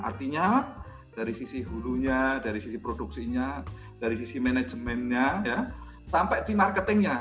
artinya dari sisi hulunya dari sisi produksinya dari sisi manajemennya sampai di marketingnya